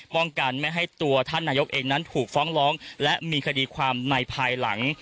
ป้องกันไม่ให้ตัวท่านนายกเองนั้นถูกฟ้องร้องและมีคดีความในภายหลัง